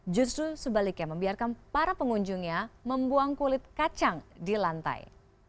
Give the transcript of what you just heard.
justru sebaliknya membiarkan para pengunjungnya membuang kulit kacang di lantai